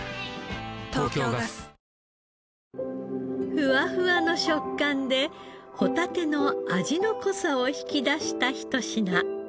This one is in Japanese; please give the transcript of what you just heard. ふわふわの食感でホタテの味の濃さを引き出した一品。